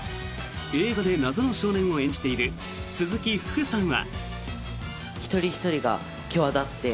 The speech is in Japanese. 映画で謎の少年を演じている鈴木福さんは。